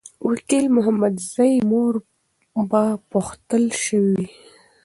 وکیل محمدزی مور به پوښتل سوې وي.